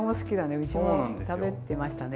うちも食べてましたね